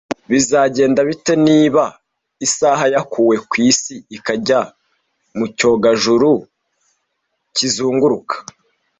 Bizagenda bite Niba isaha yakuwe ku isi ikajya mu cyogajuru kizunguruka